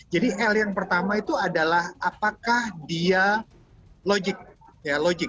jadi l yang pertama itu adalah apakah dia logik